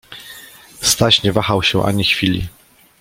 Staś nie wahał się ani chwili.